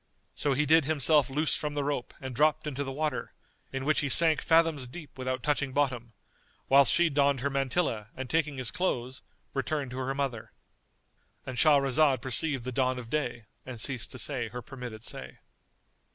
So he did himself loose from the rope and dropped into the water, in which he sank fathoms deep without touching bottom; whilst she donned her mantilla and taking his clothes, returned to her mother— And Shahrazad perceived the dawn of day and ceased to say her permitted say.